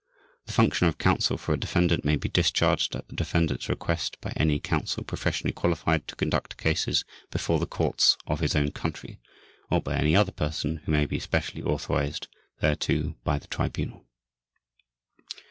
The function of counsel for a defendant may be discharged at the defendant's request by any counsel professionally qualified to conduct cases before the Courts of his own country, or by any other person who may be specially authorized thereto by the Tribunal.